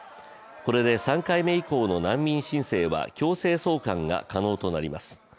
これで３回目以降の難民申請は強制送還が可能となります。